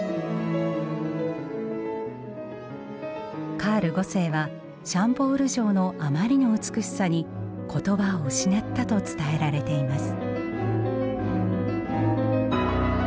カール五世はシャンボール城のあまりの美しさに言葉を失ったと伝えられています。